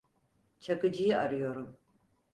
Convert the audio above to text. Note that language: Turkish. Çakıcı'yı arıyorum.